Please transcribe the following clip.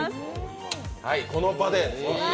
この場で。